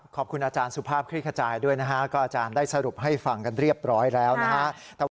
ขอบคุณอาจารย์สุภาพคลิกขจายด้วยนะฮะก็อาจารย์ได้สรุปให้ฟังกันเรียบร้อยแล้วนะฮะ